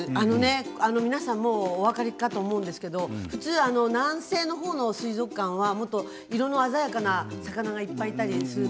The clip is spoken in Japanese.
皆さんお分かりかと思うんですけれども、南西の方の水族館は色鮮やかな魚がいっぱいいたりする。